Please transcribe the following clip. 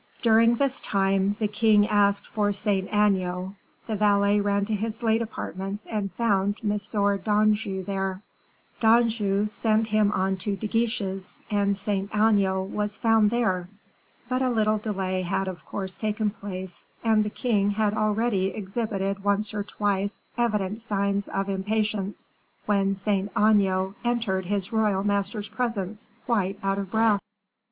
During this time, the king asked for Saint Aignan; the valet ran to his late apartments and found M. Dangeau there; Dangeau sent him on to De Guiche's, and Saint Aignan was found there; but a little delay had of course taken place, and the king had already exhibited once or twice evident signs of impatience, when Saint Aignan entered his royal master's presence, quite out of breath.